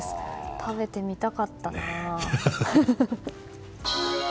食べてみたかったな。